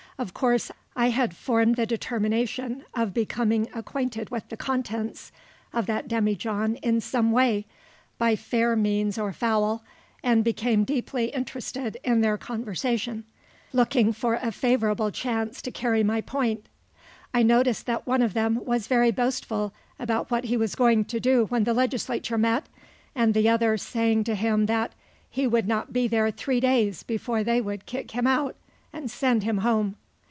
Of course, I had formed the determination of becoming acquainted with the contents of that demijohn in some way, by fair means or foul, and became deeply interested in their conversation, looking for a favorable chance to carry my point. I noticed that one of them was very boastful about what he was going to do when the legislature met, and the other saying to him that "he would not be there three days before they would kick him out and send him home."